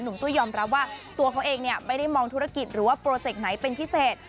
ตุ้ยยอมรับว่าตัวเขาเองเนี่ยไม่ได้มองธุรกิจหรือว่าโปรเจกต์ไหนเป็นพิเศษ